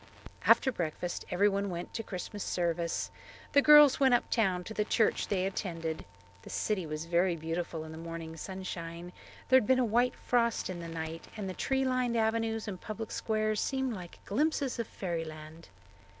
After breakfast everyone went to Christmas service. The girls went uptown to the church they attended. The city was very beautiful in the morning sunshine. There had been a white frost in the night and the tree lined avenues and public squares seemed like glimpses of fairyland.